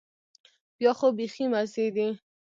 بیا خو بيخي مزې دي.